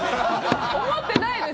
思ってないです！